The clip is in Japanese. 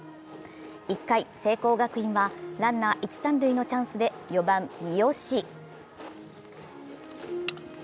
１回、聖光学院はランナー一・三塁のチャンスで４番・三好。